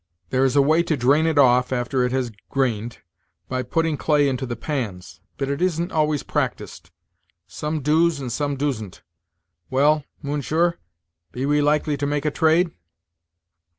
There is a way to drain it off, after it has grained, by putting clay into the pans; bitt it isn't always practised; some doos and some doosn't. Well, mounsher, be we likely to make a trade?"